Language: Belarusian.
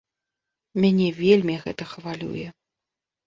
Мяне вельмі гэта хвалюе.